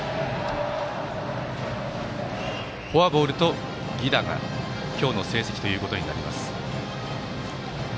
フォアボールと犠打が今日の成績となります新城。